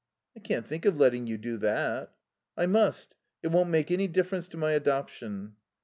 "I can't think of letting you do that." "I must. It won't make any difference to my adoption."